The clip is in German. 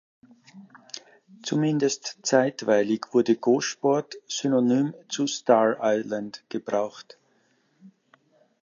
Zumindest zeitweilig wurde Gosport synonym zu Star Island gebraucht.